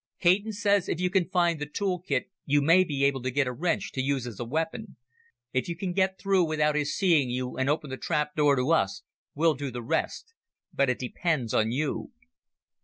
Caton says if you can find the tool kit you may be able to get a wrench to use as a weapon. If you can get through without his seeing you and open the trap door to us, we'll do the rest. But it depends on you."